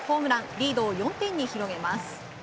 リードを４点に広げます。